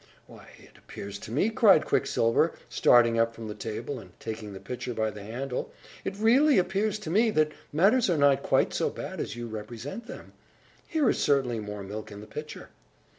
"Why, it appears to me," cried Quicksilver, starting up from the table and taking the pitcher by the handle, "it really appears to me that matters are not quite so bad as you represent them. Here is certainly more milk in the pitcher."